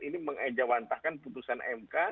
ini mengejawantahkan putusan elektronik